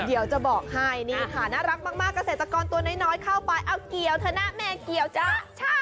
เดี๋ยวจะบอกให้นี่ค่ะน่ารักมากเกษตรกรตัวน้อยเข้าไปเอาเกี่ยวเถอะนะแม่เกี่ยวจ๊ะ